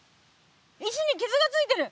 石にきずがついてる！